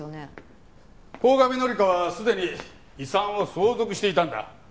鴻上紀香はすでに遺産を相続していたんだ。